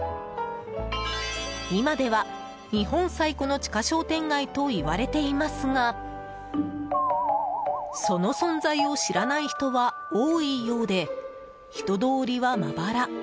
今では、日本最古の地下商店街といわれていますがその存在を知らない人は多いようで、人通りはまばら。